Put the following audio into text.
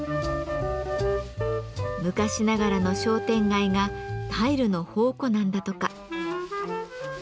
昔ながらの商店街がタイルの宝庫なんだとか。